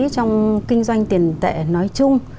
trong kinh doanh tiền tệ nói chung